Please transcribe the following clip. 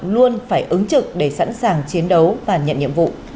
luôn phải ứng trực để sẵn sàng chiến đấu và nhận nhiệm vụ